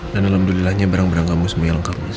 dan alhamdulillahnya barang barang kamu semua yang lengkap mas